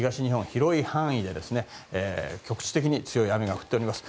広い範囲で局地的に強い雨が降っております。